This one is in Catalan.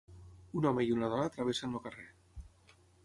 Un home i una dona travessen el carrer.